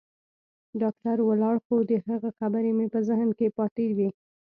ډاکتر ولاړ خو د هغه خبرې مې په ذهن کښې پاتې وې.